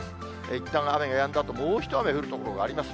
いったん雨がやんだあと、もう一雨降る所があります。